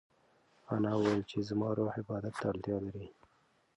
انا وویل چې زما روح عبادت ته اړتیا لري.